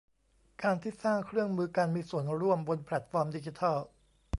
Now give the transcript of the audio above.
การที่สร้างเครื่องมือการมีส่วนร่วมบนแพลทฟอร์มดิจิทัล